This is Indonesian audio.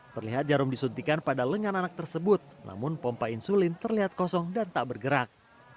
terlihat jarum disuntikan pada lengan anak tersebut namun pompa insulin terlihat kosong dan tak bergerak